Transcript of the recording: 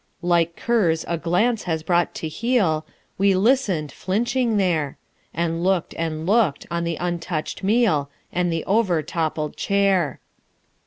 Like curs, a glance has brought to heel, We listened, flinching there: And looked, and looked, on the untouched meal, And the overtoppled chair.